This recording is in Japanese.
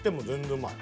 うまい。